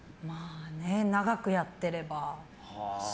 長くやってれば。